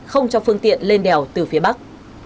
không cho phương tiện lên đèo từ phía bắc